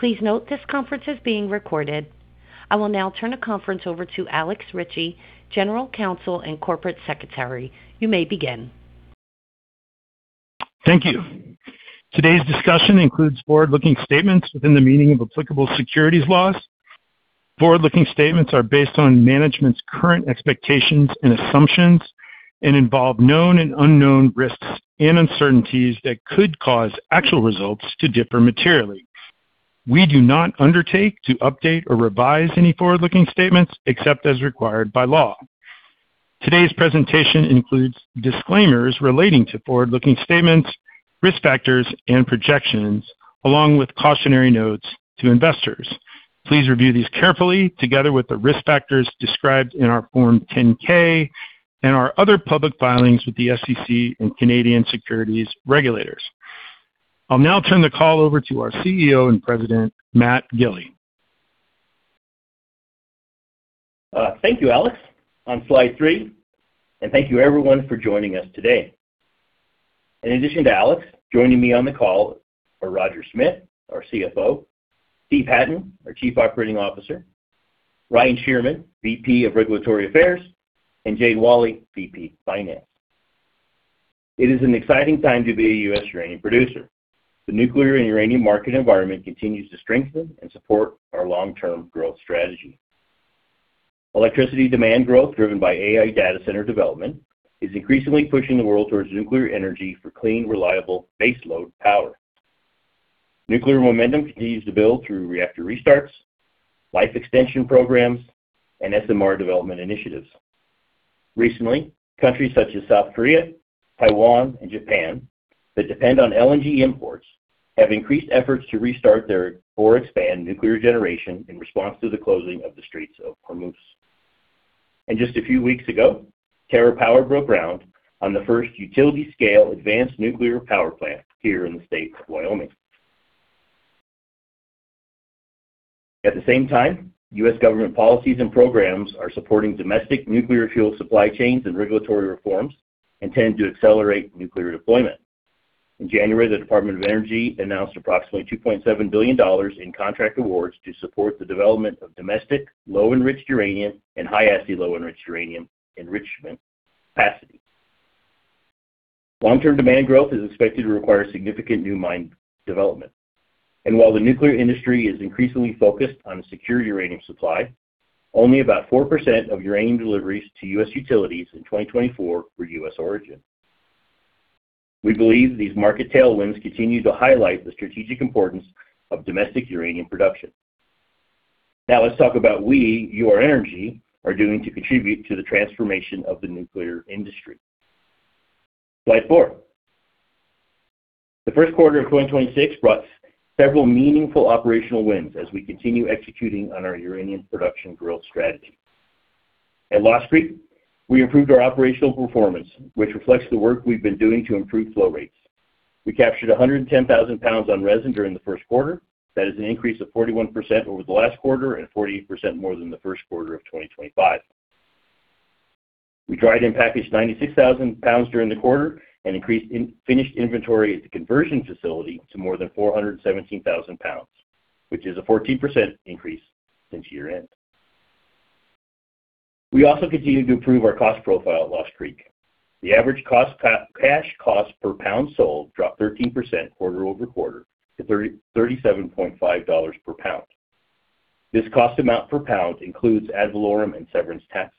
Please note this conference is being recorded. I will now turn the conference over to Alex Ritchie, General Counsel and Corporate Secretary. You may begin. Thank you. Today's discussion includes forward-looking statements within the meaning of applicable securities laws. Forward-looking statements are based on management's current expectations and assumptions and involve known and unknown risks and uncertainties that could cause actual results to differ materially. We do not undertake to update or revise any forward-looking statements except as required by law. Today's presentation includes disclaimers relating to forward-looking statements, risk factors, and projections, along with cautionary notes to investors. Please review these carefully together with the risk factors described in our Form 10-K and our other public filings with the SEC and Canadian securities regulators. I'll now turn the call over to our CEO and President, Matt Gili. Thank you, Alex. On slide three, thank you everyone for joining us today. In addition to Alex, joining me on the call are Roger Smith, our CFO, Steve Hatten, Chief Operating Officer, Ryan Schierman, Vice President Regulatory Affairs, and Jade Walle, Vice President Finance. It is an exciting time to be a U.S. uranium producer. The nuclear and uranium market environment continues to strengthen and support our long-term growth strategy. Electricity demand growth driven by AI data center development is increasingly pushing the world towards nuclear energy for clean, reliable baseload power. Nuclear momentum continues to build through reactor restarts, life extension programs, and SMR development initiatives. Recently, countries such as South Korea, Taiwan, and Japan that depend on LNG imports have increased efforts to restart their or expand nuclear generation in response to the closing of the Strait of Hormuz. Just a few weeks ago, TerraPower broke ground on the first utility-scale advanced nuclear power plant here in the state of Wyoming. At the same time, U.S. government policies and programs are supporting domestic nuclear fuel supply chains and regulatory reforms intended to accelerate nuclear deployment. In January, the Department of Energy announced approximately $2.7 billion in contract awards to support the development of domestic low enriched uranium and High-Assay Low-Enriched Uranium enrichment capacity. Long-term demand growth is expected to require significant new mine development. While the nuclear industry is increasingly focused on a secure uranium supply, only about 4% of uranium deliveries to U.S. utilities in 2024 were U.S. origin. We believe these market tailwinds continue to highlight the strategic importance of domestic uranium production. Now let's talk about what we, Ur-Energy, are doing to contribute to the transformation of the nuclear industry. Slide four. The first quarter of 2026 brought several meaningful operational wins as we continue executing on our uranium production growth strategy. At Lost Creek, we improved our operational performance, which reflects the work we've been doing to improve flow rates. We captured 110,000 lbs on resin during the first quarter. That is an increase of 41% over the last quarter and 48% more than the first quarter of 2025. We dried and packaged 96,000 lbs during the quarter and increased in finished inventory at the conversion facility to more than 417,000 lbs, which is a 14% increase since year-end. We also continued to improve our cost profile at Lost Creek. The average cash cost per pound sold dropped 13% quarter-over-quarter to $37.5 per pound. This cost amount per pound includes ad valorem and severance taxes.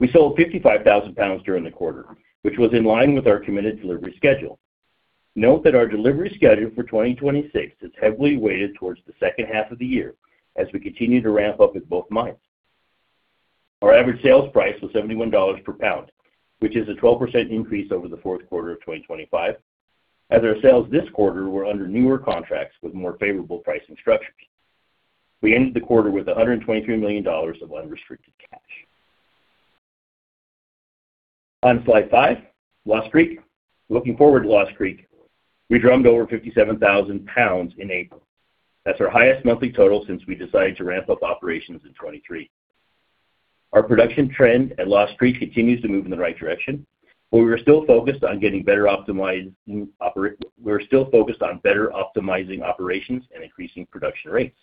We sold 55,000 lbs during the quarter, which was in line with our committed delivery schedule. Note that our delivery schedule for 2026 is heavily weighted towards the second half of the year as we continue to ramp up at both mines. Our average sales price was $71 per pound, which is a 12% increase over the fourth quarter of 2025 as our sales this quarter were under newer contracts with more favorable pricing structures. We ended the quarter with $123 million of unrestricted cash. On slide five, Lost Creek. Looking forward to Lost Creek, we drummed over 57,000 lbs in April. That's our highest monthly total since we decided to ramp up operations in 2023. Our production trend at Lost Creek continues to move in the right direction, but we're still focused on better optimizing operations and increasing production rates.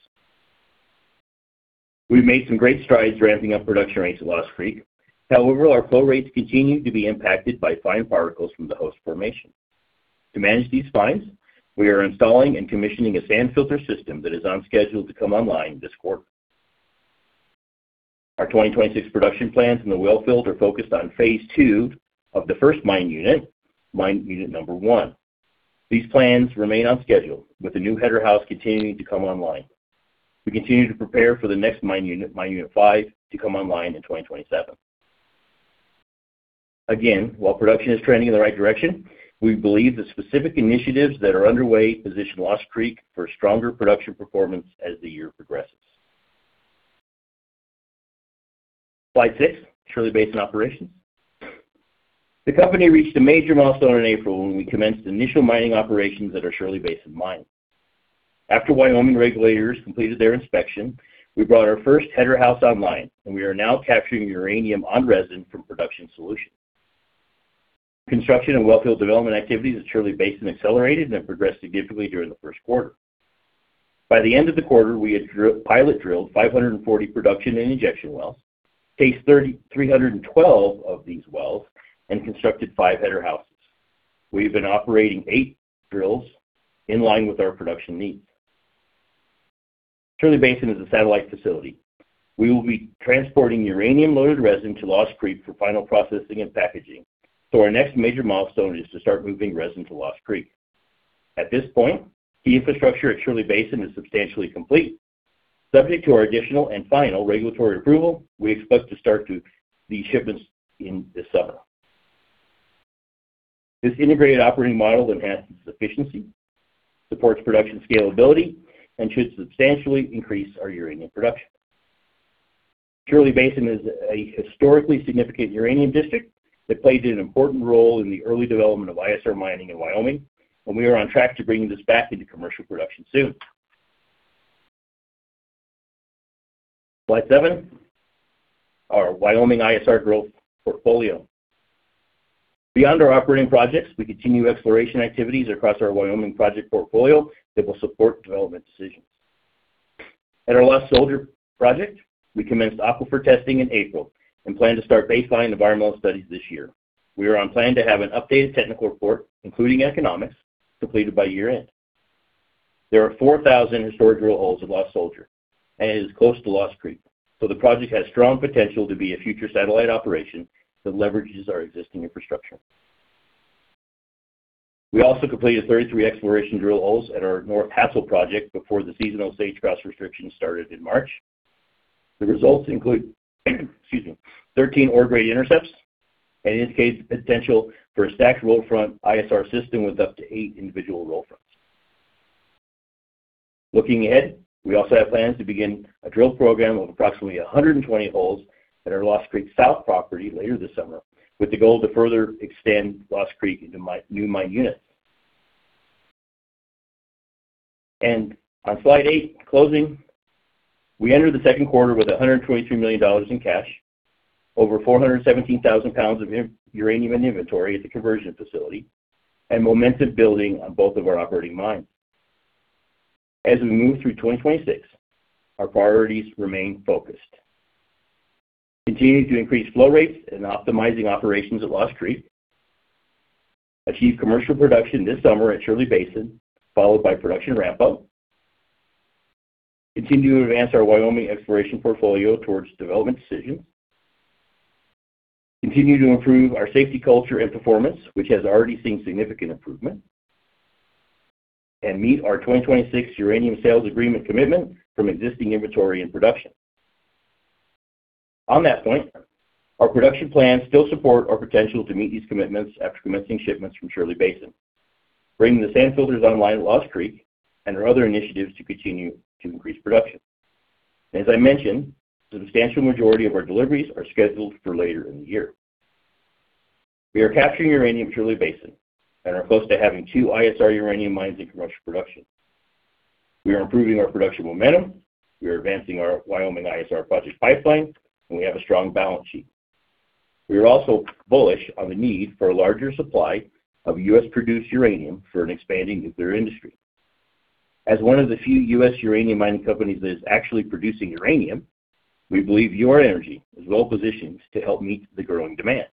We've made some great strides ramping up production rates at Lost Creek. However, our flow rates continue to be impacted by fine particles from the host formation. To manage these fines, we are installing and commissioning a sand filter system that is on schedule to come online this quarter. Our 2026 production plans in the well field are focused on phase II of the first mine unit, mine unit number one. These plans remain on schedule with the new header house continuing to come online. We continue to prepare for the next mine unit, mine unit five, to come online in 2027. Again, while production is trending in the right direction, we believe the specific initiatives that are underway position Lost Creek for stronger production performance as the year progresses. Slide six, Shirley Basin operations. The company reached a major milestone in April when we commenced initial mining operations at our Shirley Basin mine. After Wyoming regulators completed their inspection, we brought our first header house online, and we are now capturing uranium on resin from production solution. Construction and wellfield development activities at Shirley Basin accelerated and progressed significantly during the first quarter. By the end of the quarter, we had pilot drilled 540 production and injection wells, cased 3,312 of these wells, and constructed five header houses. We have been operating eight drills in line with our production needs. Shirley Basin is a satellite facility. We will be transporting uranium loaded resin to Lost Creek for final processing and packaging, so our next major milestone is to start moving resin to Lost Creek. At this point, the infrastructure at Shirley Basin is substantially complete. Subject to our additional and final regulatory approval, we expect to start these shipments in this summer. This integrated operating model enhances efficiency, supports production scalability, and should substantially increase our uranium production. Shirley Basin is a historically significant uranium district that played an important role in the early development of ISR mining in Wyoming and we are on track to bringing this back into commercial production soon. Slide seven, our Wyoming ISR growth portfolio. Beyond our operating projects, we continue exploration activities across our Wyoming project portfolio that will support development decisions. At our Lost Soldier project, we commenced aquifer testing in April and plan to start baseline environmental studies this year. We are on plan to have an updated technical report, including economics, completed by year-end. There are 4,000 historic drill holes at Lost Soldier, and it is close to Lost Creek, so the project has strong potential to be a future satellite operation that leverages our existing infrastructure. We also completed 33 exploration drill holes at our North Hadsell project before the seasonal sage grouse restrictions started in March. The results include, excuse me, 13 ore grade intercepts and indicates the potential for a stacked roll front ISR system with up to eight individual roll fronts. Looking ahead, we also have plans to begin a drill program of approximately 120 holes at our Lost Creek South property later this summer with the goal to further extend Lost Creek into new mine units. On slide eight, closing. We enter the second quarter with $123 million in cash, over 417,000 lbs of uranium in inventory at the conversion facility, and momentum building on both of our operating mines. As we move through 2026, our priorities remain focused. Continue to increase flow rates and optimizing operations at Lost Creek. Achieve commercial production this summer at Shirley Basin, followed by production ramp up. Continue to advance our Wyoming exploration portfolio towards development decisions. Continue to improve our safety culture and performance, which has already seen significant improvement. Meet our 2026 uranium sales agreement commitment from existing inventory and production. On that point, our production plans still support our potential to meet these commitments after commencing shipments from Shirley Basin, bringing the sand filters online at Lost Creek and our other initiatives to continue to increase production. As I mentioned, substantial majority of our deliveries are scheduled for later in the year. We are capturing uranium at Shirley Basin and are close to having two ISR uranium mines in commercial production. We are improving our production momentum. We are advancing our Wyoming ISR project pipeline, and we have a strong balance sheet. We are also bullish on the need for a larger supply of U.S. produced uranium for an expanding nuclear industry. As one of the few U.S. uranium mining companies that is actually producing uranium, we believe Ur-Energy is well positioned to help meet the growing demand.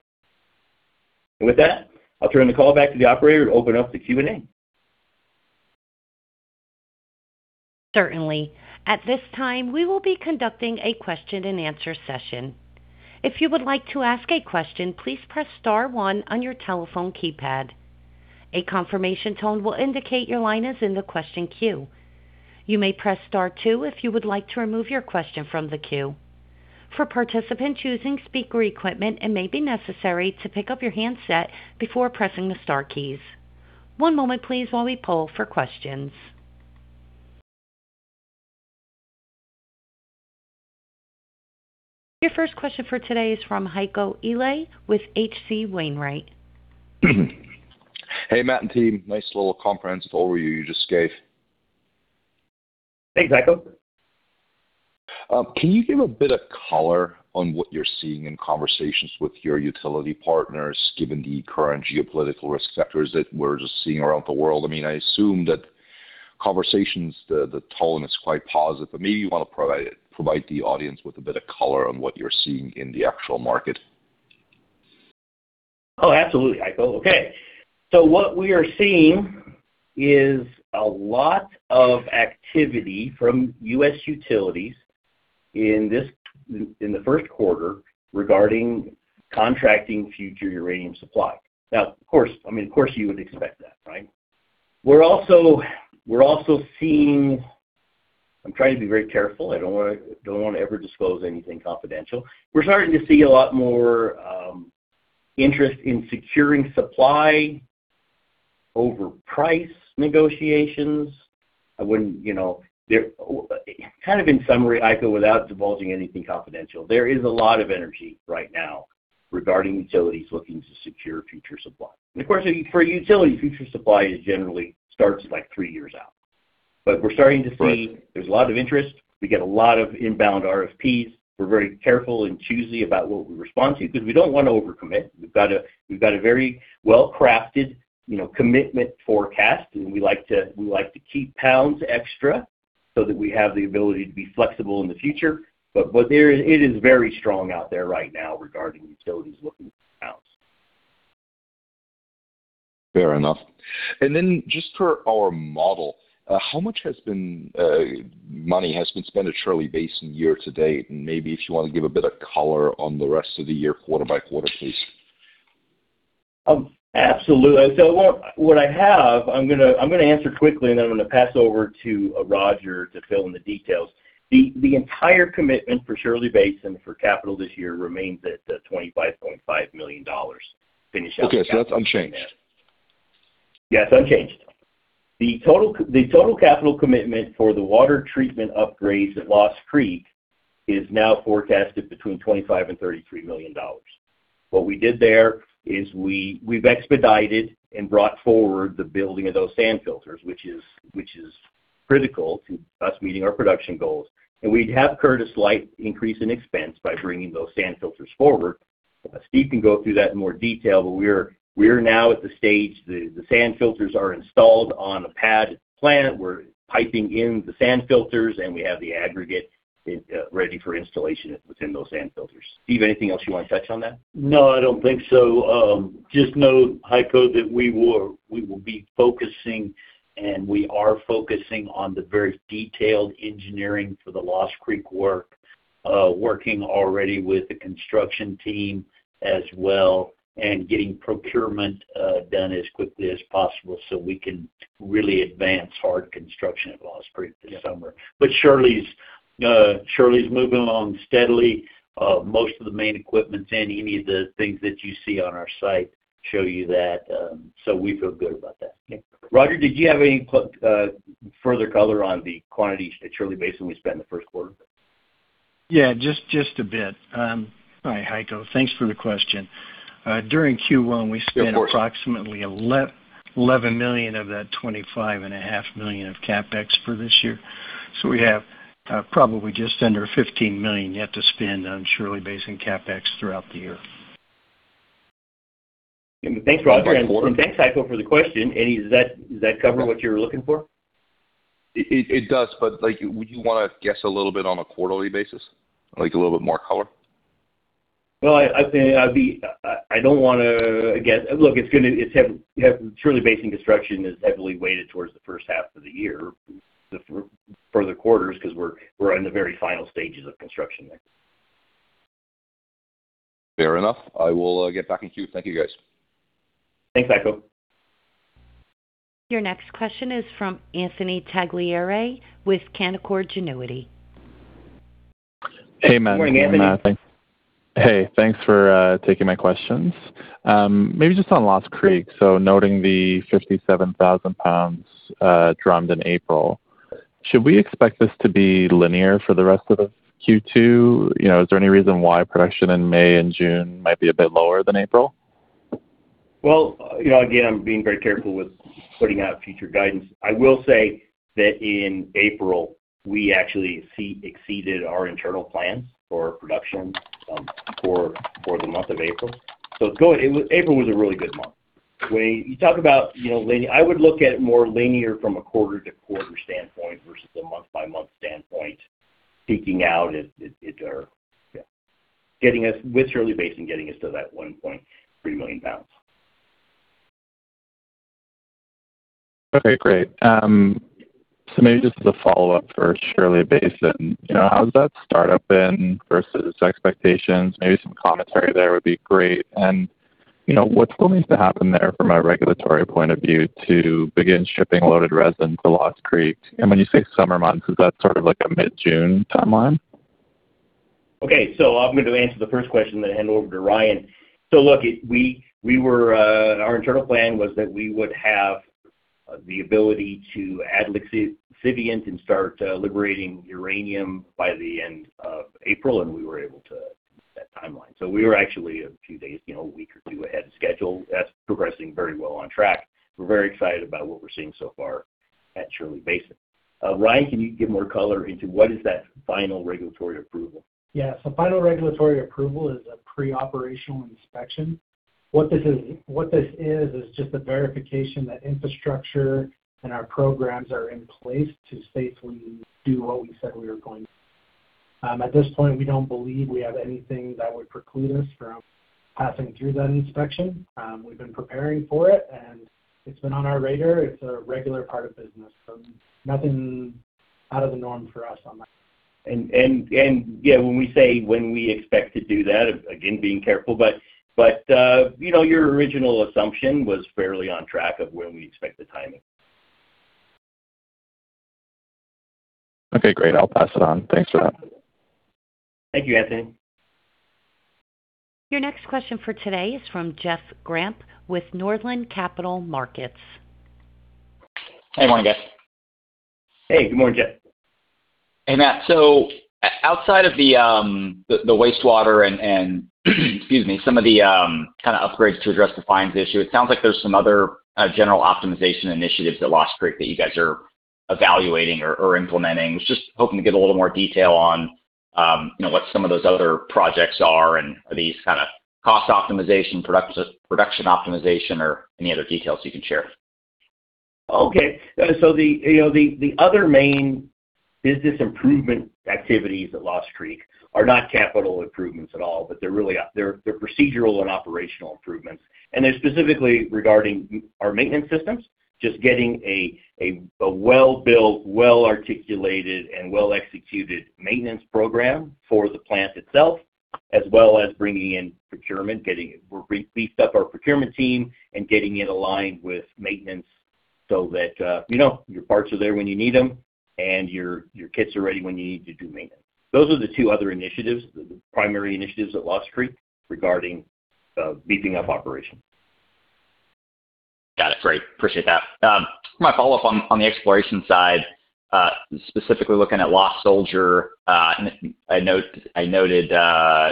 With that, I'll turn the call back to the operator to open up the Q&A. Certainly. At this time, we will be conducting a question and answer session. If you would like to ask a question, please press star one on your telephone keypad. A confirmation tone will indicate your line is in the question queue. You may press star two of you would like to remove your question from the queue. For participants using speaker equipment, it may be necessary to pick up your handset before pressing the star keys. One moment please while we poll for questions. Your first question for today is from Heiko Ihle with H.C. Wainwright. Hey, Matt and team. Nice little comprehensive overview you just gave. Thanks, Heiko. Can you give a bit of color on what you're seeing in conversations with your utility partners, given the current geopolitical risk sectors that we're just seeing around the world? I mean, I assume that conversations, the tone is quite positive, but maybe you want to provide the audience with a bit of color on what you're seeing in the actual market. Oh, absolutely, Heiko. Okay. What we are seeing is a lot of activity from U.S. utilities in the first quarter regarding contracting future uranium supply. Of course, I mean, of course you would expect that, right? We're also seeing I'm trying to be very careful. I don't wanna ever disclose anything confidential. We're starting to see a lot more interest in securing supply over price negotiations. I wouldn't, you know, kind of in summary, Heiko, without divulging anything confidential, there is a lot of energy right now regarding utilities looking to secure future supply. Of course, for utilities, future supply generally starts like three years out. We're starting to see there's a lot of interest. We get a lot of inbound RFPs. We're very careful and choosy about what we respond to because we don't wanna overcommit. We've got a very well-crafted, you know, commitment forecast, and we like to keep pounds extra so that we have the ability to be flexible in the future. What there is, it is very strong out there right now regarding utilities looking for pounds. Fair enough. Then just for our model, how much money has been spent at Shirley Basin year to date? Maybe if you want to give a bit of color on the rest of the year quarter-by-quarter, please. Absolutely. I'm gonna answer quickly, and then I'm gonna pass over to Roger to fill in the details. The entire commitment for Shirley Basin for capital this year remains at $25.5 million. Okay. That's unchanged? Yes, unchanged. The total capital commitment for the water treatment upgrades at Lost Creek is now forecasted between $25 million and $33 million. What we did there is we've expedited and brought forward the building of those sand filters, which is critical to us meeting our production goals. We'd have occurred a slight increase in expense by bringing those sand filters forward. Steve can go through that in more detail, but we're now at the stage. The sand filters are installed on a pad plant. We're piping in the sand filters, and we have the aggregate ready for installation within those sand filters. Steve, anything else you wanna touch on that? No, I don't think so. Just know, Heiko Ihle, that we will be focusing, and we are focusing on the very detailed engineering for the Lost Creek work, working already with the construction team as well and getting procurement done as quickly as possible so we can really advance hard construction at Lost Creek this summer. Shirley's moving along steadily. Most of the main equipment's in. Any of the things that you see on our site show you that. We feel good about that. Okay. Roger, did you have any further color on the quantities at Shirley Basin we spent in the first quarter? Yeah, just a bit. Hi, Heiko. Thanks for the question. During Q1, we spent- Yeah, of course. approximately $11 million of that $25.5 million of CapEx for this year. We have, probably just under $15 million yet to spend on Shirley Basin CapEx throughout the year. Thanks, Roger. Thanks, Heiko, for the question. Does that cover what you're looking for? It does, but, like, would you wanna guess a little bit on a quarterly basis? Like, a little bit more color? I think I'd be, I don't wanna guess. Look, Shirley Basin construction is heavily weighted towards the first half of the year, the further quarters, 'cause we're in the very final stages of construction there. Fair enough. I will get back in queue. Thank you, guys. Thanks, Heiko. Your next question is from Anthony Taglieri with Canaccord Genuity. Hey, Matt. Good morning, Anthony. Hey, thanks for taking my questions. maybe just on Lost Creek, so noting the 57,000 lbs drummed in April, should we expect this to be linear for the rest of Q2? You know, is there any reason why production in May and June might be a bit lower than April? Well, you know, again, I'm being very careful with putting out future guidance. I will say that in April, we actually exceeded our internal plans for production for the month of April. April was a really good month. When you talk about, you know, linear, I would look at it more linear from a quarter-to-quarter standpoint versus a month by month standpoint, seeking out if there, yeah. With Shirley Basin getting us to that 1.3 million pounds. Okay, great. Maybe just as a follow-up for Shirley Basin, you know, how's that start up been versus expectations? Maybe some commentary there would be great. You know, what still needs to happen there from a regulatory point of view to begin shipping loaded resin to Lost Creek? When you say summer months, is that sort of like a mid-June timeline? Okay. I'm going to answer the first question, then hand over to Ryan. Look, we were, our internal plan was that we would have the ability to add lixiviant and start liberating uranium by the end of April, and we were able to meet that timeline. We were actually a few days, you know, a week or two ahead of schedule. That's progressing very well on track. We're very excited about what we're seeing so far at Shirley Basin. Ryan, can you give more color into what is that final regulatory approval? Yeah. Final regulatory approval is a pre-operational inspection. What this is just a verification that infrastructure and our programs are in place to safely do what we said we were going to. At this point, we don't believe we have anything that would preclude us from passing through that inspection. We've been preparing for it, and it's been on our radar. It's a regular part of business. Nothing out of the norm for us on that. Yeah, when we say when we expect to do that, again, being careful, but, you know, your original assumption was fairly on track of when we expect the timing. Okay, great. I'll pass it on. Thanks for that. Thank you, Anthony. Your next question for today is from Jeff Grampp with Northland Capital Markets. Hey, morning, Jeff. Hey, good morning, Jeff. Matt, outside of the wastewater and excuse me, some of the kind of upgrades to address the fines issue, it sounds like there's some other general optimization initiatives at Lost Creek that you guys are evaluating or implementing. Was just hoping to get a little more detail on, you know, what some of those other projects are and are these kind of cost optimization, production optimization or any other details you can share. Okay. you know, the other main business improvement activities at Lost Creek are not capital improvements at all, but they're really procedural and operational improvements. They're specifically regarding our maintenance systems, just getting a well-built, well-articulated, and well-executed maintenance program for the plant itself, as well as bringing in procurement, we're beefed up our procurement team and getting it aligned with maintenance so that, you know, your parts are there when you need them and your kits are ready when you need to do maintenance. Those are the two other initiatives, the primary initiatives at Lost Creek regarding beefing up operations. Got it. Great. Appreciate that. My follow-up on the exploration side, specifically looking at Lost Soldier, and I noted,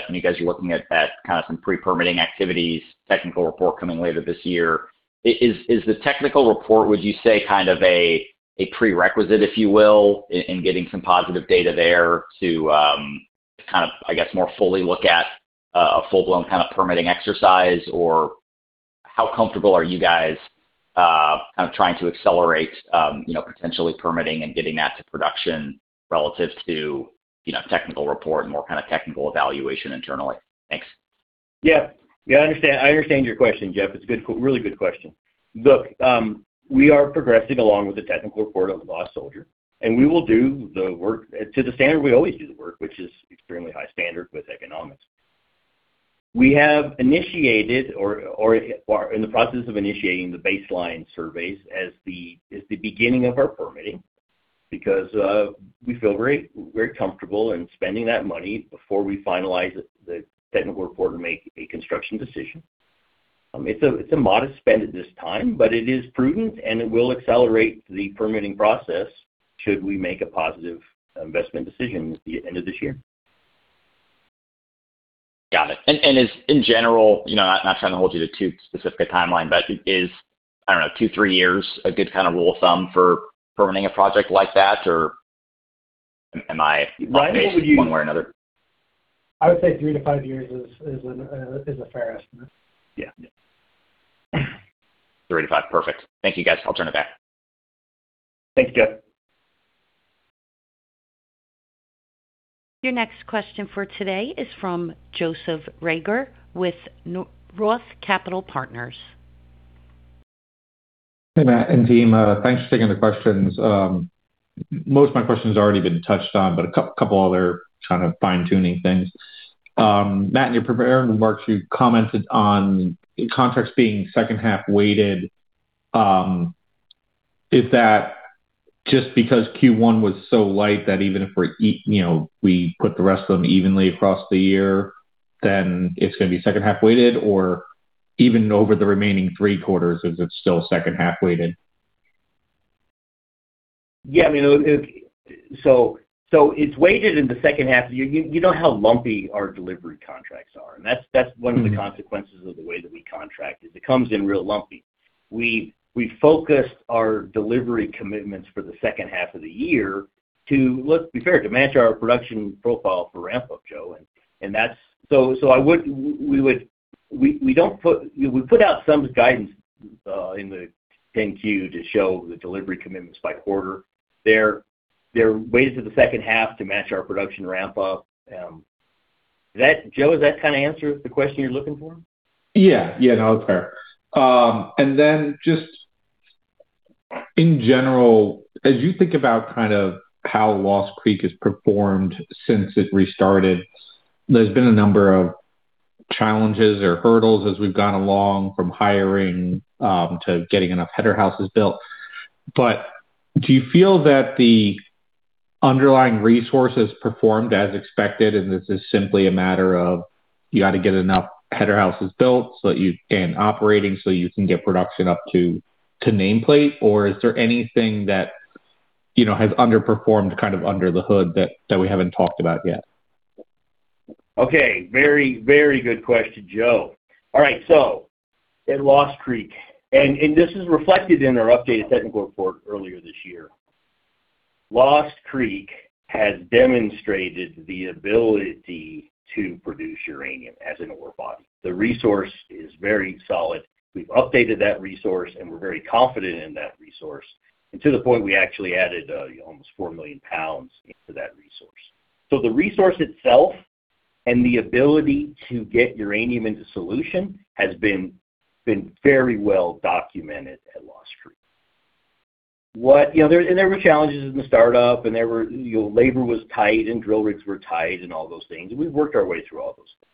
you guys are looking at kind of some pre-permitting activities, technical report coming later this year. Is, is the technical report, would you say kind of a prerequisite, if you will, in getting some positive data there to, kind of, I guess, more fully look at a full-blown kind of permitting exercise? Or how comfortable are you guys, kind of trying to accelerate, you know, potentially permitting and getting that to production relative to, you know, technical report and more kind of technical evaluation internally? Thanks. Yeah, I understand your question, Jeff. It's a really good question. Look, we are progressing along with the technical report of Lost Soldier, and we will do the work to the standard we always do the work, which is extremely high standard with economics. We have initiated or in the process of initiating the baseline surveys as the beginning of our permitting because we feel very comfortable in spending that money before we finalize the technical report and make a construction decision. It's a modest spend at this time, but it is prudent and it will accelerate the permitting process should we make a positive investment decision at the end of this year. Got it. And is in general, you know, not trying to hold you to too specific a timeline, but is, I don't know, two, three years a good kind of rule of thumb for permitting a project like that? Or am I off base one way or another? Ryan, I would say three to five years is a fair estimate. Yeah. Three to five. Perfect. Thank you, guys. I'll turn it back. Thanks, Jeff. Your next question for today is from Joseph Reagor with Roth Capital Partners. Hey, Matt and team. Thanks for taking the questions. Most of my questions have already been touched on, but a couple other kind of fine-tuning things. Matt, in your remarks you commented on contracts being second half weighted. Is that just because Q1 was so light that even if we're you know, we put the rest of them evenly across the year, then it's gonna be second half weighted? Even over the remaining three quarters, is it still second half weighted? Yeah, I mean, it's weighted in the second half. You know how lumpy our delivery contracts are, and that's one of the consequences of the way that we contract, is it comes in real lumpy. We focused our delivery commitments for the second half of the year to, let's be fair, to match our production profile for ramp up, Joe. That's, we put out some guidance in the 10-Q to show the delivery commitments by quarter. They're weighted to the second half to match our production ramp up. Is that Joe, does that kind of answer the question you're looking for? Yeah. Yeah, no, it's fair. Just in general, as you think about kind of how Lost Creek has performed since it restarted, there's been a number of challenges or hurdles as we've gone along from hiring to getting enough header houses built. Do you feel that the underlying resources performed as expected, and this is simply a matter of you got to get enough header houses built so that you can operating so you can get production up to nameplate? Is there anything that, you know, has underperformed kind of under the hood that we haven't talked about yet? Okay. Very, very good question, Joe. All right. At Lost Creek, and this is reflected in our updated technical report earlier this year. Lost Creek has demonstrated the ability to produce uranium as an ore body. The resource is very solid. We've updated that resource, and we're very confident in that resource. To the point, we actually added, 4 million pounds into that resource. The resource itself and the ability to get uranium into solution has been very well documented at Lost Creek. You know, there were challenges in the startup, and there were You know, labor was tight and drill rigs were tight and all those things, and we've worked our way through all those things.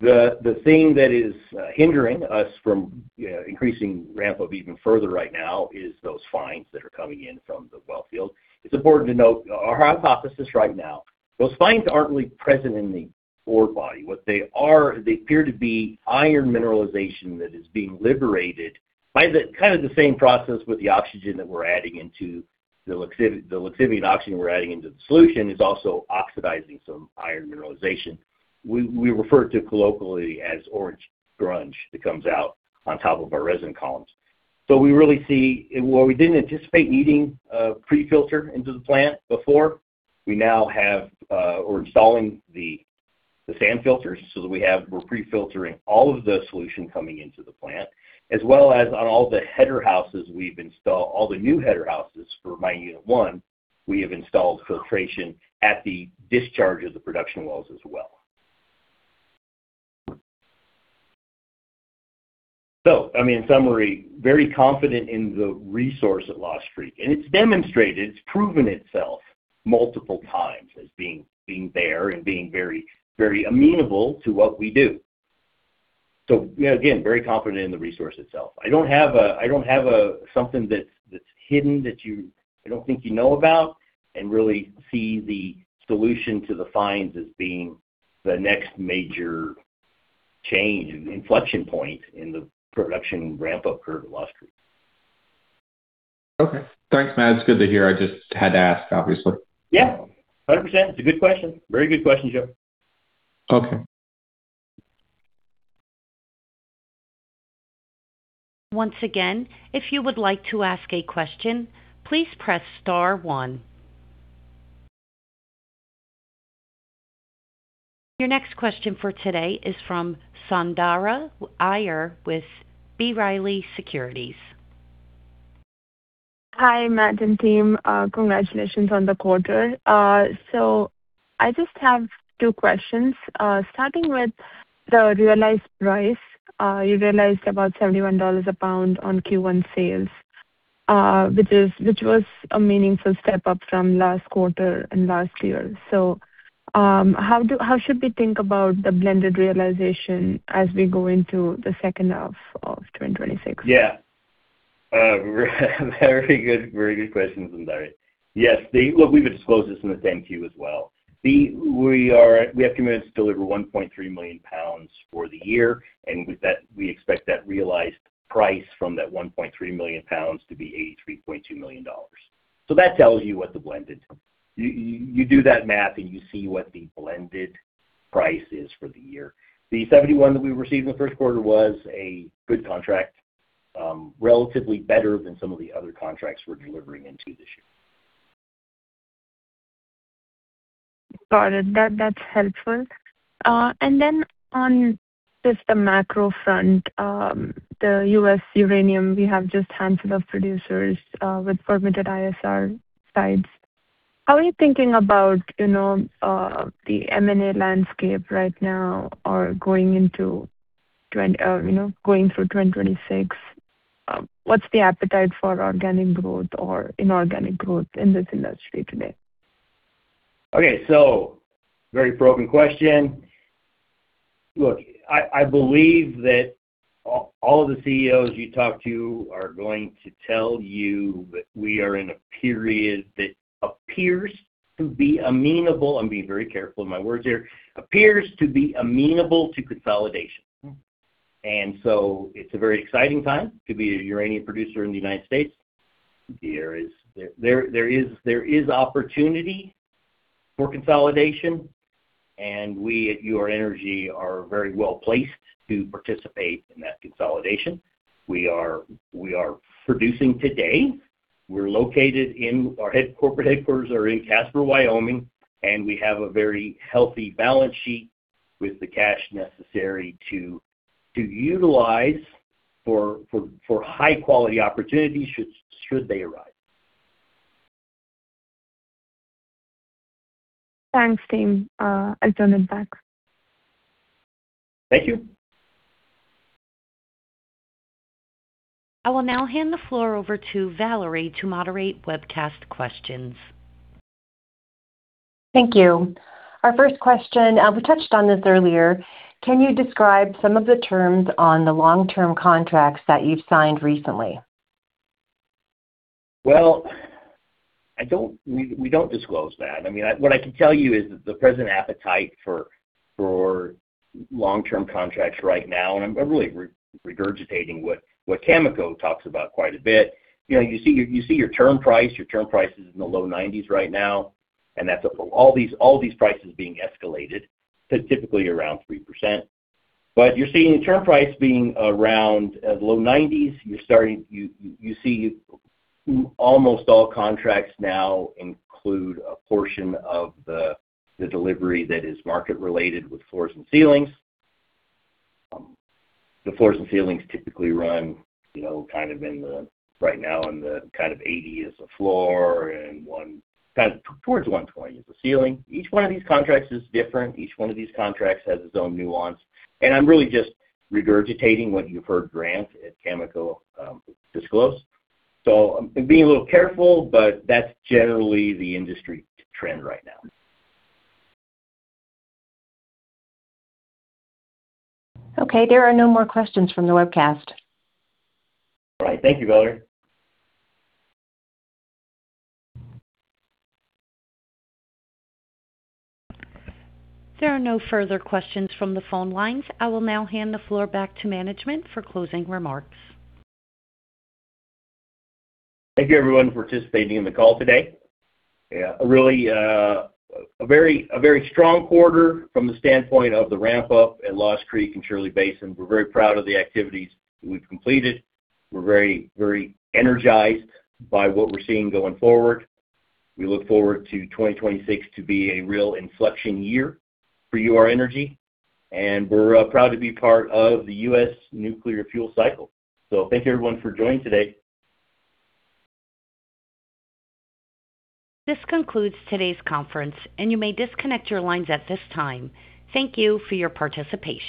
The thing that is hindering us from increasing ramp up even further right now is those fines that are coming in from the well field. It's important to note our hypothesis right now, those fines aren't really present in the ore body. What they are, they appear to be iron mineralization that is being liberated by the kind of the same process with the oxygen that we're adding into the lixiviant oxygen we're adding into the solution is also oxidizing some iron mineralization. We refer to colloquially as orange grunge that comes out on top of our resin columns. We really see. While we didn't anticipate needing a pre-filter into the plant before, we now have we're installing the sand filters so that we're pre-filtering all of the solution coming into the plant. As well as on all the header houses we've installed, all the new header houses for my unit one, we have installed filtration at the discharge of the production wells as well. I mean, in summary, very confident in the resource at Lost Creek, and it's demonstrated, it's proven itself multiple times as being there and being very amenable to what we do. Again, very confident in the resource itself. I don't have something that's hidden that you I don't think you know about and really see the solution to the fines as being the next major change and inflection point in the production ramp-up curve at Lost Creek. Okay. Thanks, Matt. It's good to hear. I just had to ask, obviously. Yeah, 100%. It's a good question. Very good question, Joe. Okay. Once again, if you would like to ask a question, please press star one. Your next question for today is from Soundarya Iyer with B. Riley Securities. Hi, Matt and team. Congratulations on the quarter. I just have two questions. Starting with the realized price. You realized about $71 a pound on Q1 sales, which was a meaningful step up from last quarter and last year. How should we think about the blended realization as we go into the second half of 2026? Very good, very good question, Soundarya. Yes, we've disclosed this in the same quarter as well. We have commitments to deliver 1.3 million pounds for the year, and with that, we expect that realized price from that 1.3 million pounds to be $83.2 million. That tells you. You do that math, and you see what the blended price is for the year. The $71 million that we received in the first quarter was a good contract, relatively better than some of the other contracts we're delivering into this year. Got it. That's helpful. Then on just the macro front, the U.S. uranium, we have just handful of producers with permitted ISR sites. How are you thinking about, you know, the M&A landscape right now or going into or, you know, going through 2026? What's the appetite for organic growth or inorganic growth in this industry today? Okay. Very probing question. Look, I believe that all of the CEOs you talk to are going to tell you that we are in a period that appears to be amenable, I'm being very careful in my words here, appears to be amenable to consolidation. It's a very exciting time to be a uranium producer in the United States. There is opportunity for consolidation, and we at Ur-Energy are very well-placed to participate in that consolidation. We are producing today. We're located in our corporate headquarters are in Casper, Wyoming, and we have a very healthy balance sheet with the cash necessary to utilize for high-quality opportunities should they arise. Thanks, team. I don't have facts. Thank you. I will now hand the floor over to Valerie to moderate webcast questions. Thank you. Our first question, we touched on this earlier. Can you describe some of the terms on the long-term contracts that you've signed recently? Well, we don't disclose that. I mean, what I can tell you is that the present appetite for long-term contracts right now, and I'm really regurgitating what Cameco talks about quite a bit. You know, you see your term price. Your term price is in the low $90s right now, and that's up. All these prices being escalated to typically around 3%. You're seeing term price being around low $90s. You see almost all contracts now include a portion of the delivery that is market related with floors and ceilings. The floors and ceilings typically run, you know, kind of right now in the kind of $80 as a floor and kind of towards $120 as a ceiling. Each one of these contracts is different. Each one of these contracts has its own nuance, and I'm really just regurgitating what you've heard Grant at Cameco, disclose. I'm being a little careful, but that's generally the industry trend right now. Okay, there are no more questions from the webcast. All right. Thank you, Valerie. There are no further questions from the phone lines. I will now hand the floor back to management for closing remarks. Thank you everyone for participating in the call today. Yeah, a really, a very strong quarter from the standpoint of the ramp up at Lost Creek and Shirley Basin. We're very proud of the activities we've completed. We're very energized by what we're seeing going forward. We look forward to 2026 to be a real inflection year for Ur-Energy, and we're proud to be part of the U.S. nuclear fuel cycle. Thank you everyone for joining today. This concludes today's conference. You may disconnect your lines at this time. Thank you for your participation.